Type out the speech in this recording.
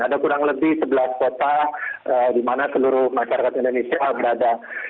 ada kurang lebih sebelas kota di mana seluruh masyarakat indonesia berada